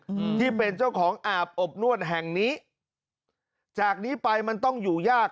อืมที่เป็นเจ้าของอาบอบนวดแห่งนี้จากนี้ไปมันต้องอยู่ยาก